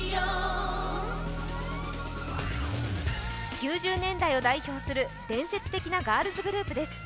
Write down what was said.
９０年代を代表する伝説的なガールズグループです。